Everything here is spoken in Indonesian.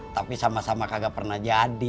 tapi sama sama kagak pernah jadi